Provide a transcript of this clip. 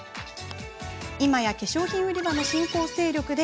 今や、化粧品売り場の新興勢力。